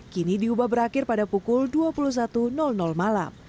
kini diubah berakhir pada pukul dua puluh satu malam